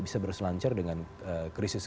bisa berselancar dengan krisis